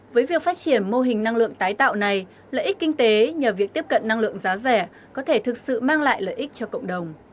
với việc phát triển mô hình năng lượng tái tạo này lợi ích kinh tế nhờ việc tiếp cận năng lượng giá rẻ có thể thực sự mang lại lợi ích cho cộng đồng